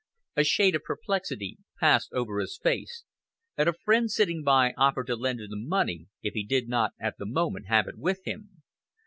A shade of perplexity passed over his face, and a friend, sitting by, offered to lend him the money if he did not at the moment have it with him.